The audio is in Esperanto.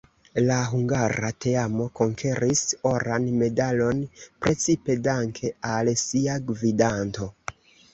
La hungara teamo konkeris oran medalon precipe danke al sia gvidanto.